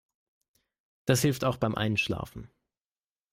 Das hilft auch beim Einschlafen.